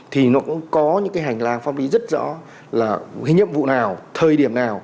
thì nó cũng có những hành lang phong lý rất rõ là nhiệm vụ nào thời điểm nào